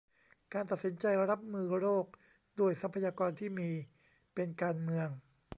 การตัดสินใจรับมือโรคด้วยทรัพยากรที่มี เป็นการเมือง